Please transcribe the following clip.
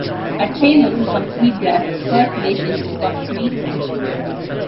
Atcheynum from Sweetgrass First Nation is of Cree descent.